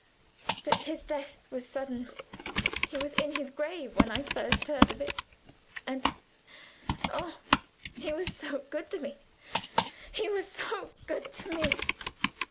But his death was sudden he was in his grave when I first heard of it and Oh, he was so good to me; he was so good to me!"